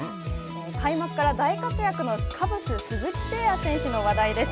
開幕から大活躍のカブス鈴木誠也選手の話題です。